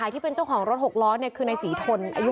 โดนฟันเละเลย